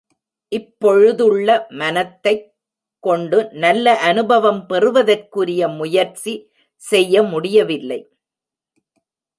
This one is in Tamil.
இப்பொழுதுள்ள மனத்தைக் கொண்டு நல்ல அநுபவம் பெறுவதற்குரிய முயற்சி செய்ய முடியவில்லை.